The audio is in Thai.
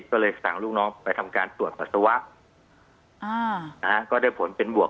ก็เลยสั่งลูกน้องไปทำการตรวจปัสสาวะนะฮะก็ได้ผลเป็นบวก